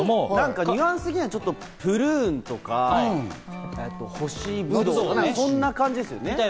ニュアンス的にはプルーンとか、干しブドウみたいな感じですね。